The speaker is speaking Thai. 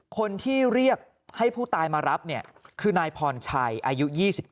คนที่เรียกให้ผู้ตายมารับเนี่ยคือนายพรชัยอายุ๒๙